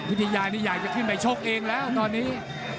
วิทยานี่อยากจะขึ้นไปชกเองแล้วตอนนี้